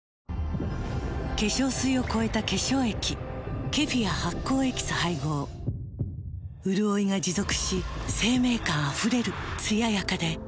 化粧水を超えた化粧液ケフィア発酵エキス配合うるおいが持続し生命感あふれるつややかで彩やかな